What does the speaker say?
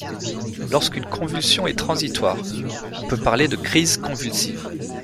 Lorsqu'une convulsion est transitoire on peut parler de crise convulsive.